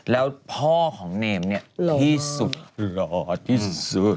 แล้วพ่อของเนมเนี่ยที่สุดหล่อที่สุด